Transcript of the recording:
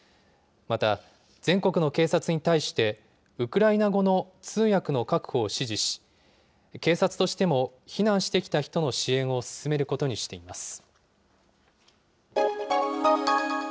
また全国の警察に対して、ウクライナ語の通訳の確保を指示し、警察としても避難してきた人の支援を進めることにしています。